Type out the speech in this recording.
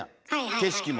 景色も。